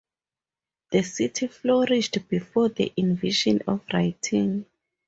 The city flourished before the invention of writing.